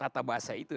tata bahasa itu